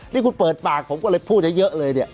นี่คุณเปิดปากผมก็เลยพูดเยอะเลยเนี่ย